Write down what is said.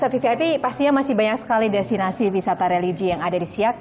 nah untuk penelitian istana istana yang masih banyak sekali diperkenalkan oleh pemerintah